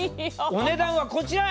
お値段はこちら！